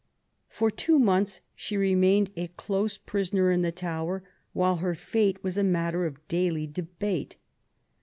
For two months she remained a close prisoner in the Tower, while her fate was a matter of daily debate.